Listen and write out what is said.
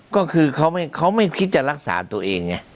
ก็คือเขาไม่คิดจะรักษาตัวเองไง